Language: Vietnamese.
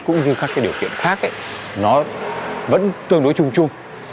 cũng như các điều kiện khác ấy nó vẫn tương đối chung chung